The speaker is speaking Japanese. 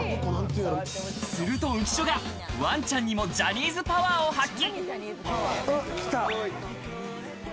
すると浮所がわんちゃんにもジャニーズパワーを発揮。